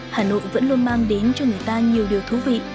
hà nội vẫn luôn mang đến cho người ta nhiều điều thú vị